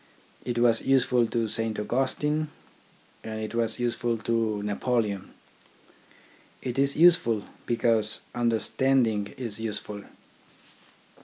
It was useful to Saint Augustine and it was useful to Napoleon. It is useful, because understanding is useful.